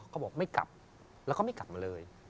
เขาบอกไม่กลับแล้วก็ไม่กลับมาเลย